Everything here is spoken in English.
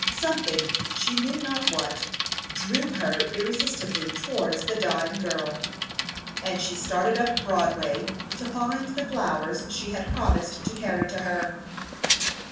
Something, she knew not what, drew her irresistibly towards the dying girl, and she started up Broadway to find the flowers she had promised to carry to her.